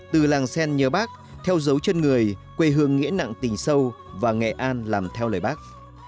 từ làng sen nhớ bắc theo dấu chân người quê hương nghĩa nặng tình sâu và nghệ an làm theo lời bác